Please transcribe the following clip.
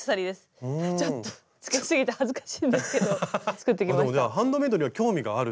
つけすぎて恥ずかしいんですけど作ってきました。